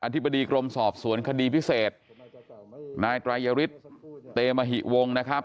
ธิบดีกรมสอบสวนคดีพิเศษนายไตรยฤทธิ์เตมหิวงนะครับ